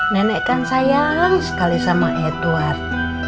nenek kan sayang sekali sama edward